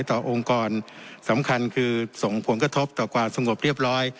องค์กรสำคัญคือส่งผลกระทบต่อความสงบเรียบร้อย